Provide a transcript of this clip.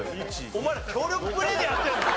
お前ら協力プレーでやってんの！？